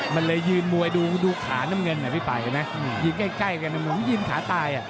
เดี๋ยวยืนมวยดูขาน้ำเงินน่ะพี่ปลายเห็นไหมยืนใกล้กันยืนขาตาย